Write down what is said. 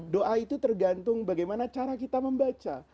doa itu tergantung bagaimana cara kita membaca